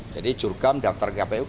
jadi jurukam daftar kpu